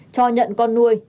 cho nhận con nuôi